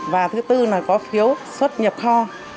và thứ tư là có phiếu xuất nhập kho